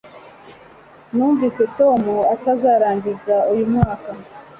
numvise tom atazarangiza uyu mwaka